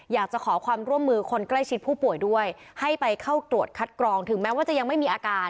อยากจะขอความร่วมมือคนใกล้ชิดผู้ป่วยด้วยให้ไปเข้าตรวจคัดกรองถึงแม้ว่าจะยังไม่มีอาการ